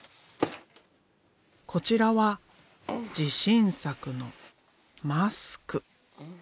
こちらは自信作のマスク。